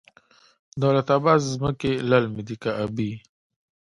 دولت اباد ځمکې للمي دي که ابي؟